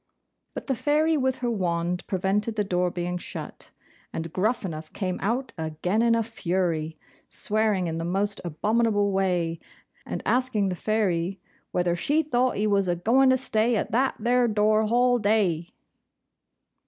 But the Fairy, with her wand, prevented the door being shut; and Gruffanuff came out again in a fury, swearing in the most abominable way, and asking the Fairy 'whether she thought he was a going to stay at that there door hall day?